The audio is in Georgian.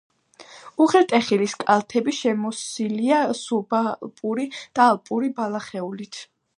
უღელტეხილის კალთები შემოსილია სუბალპური და ალპური ბალახეულით.